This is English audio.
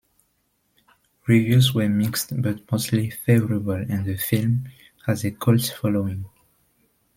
Reviews were mixed but mostly favourable and the film has a cult following.